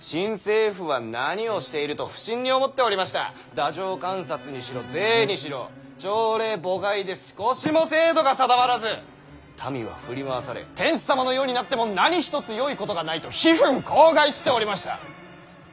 太政官札にしろ税にしろ朝令暮改で少しも制度が定まらず民は振り回され天子様の世になっても何一つよいことがないと悲憤慷慨しておりました。